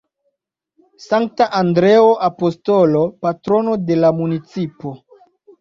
Sankta Andreo Apostolo, Patrono de la municipo.